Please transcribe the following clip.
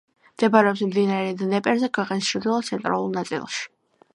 მდებარეობს მდინარე დნეპრზე ქვეყნის ჩრდილო-ცენტრალურ ნაწილში.